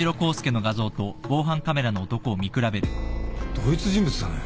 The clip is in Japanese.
同一人物だね。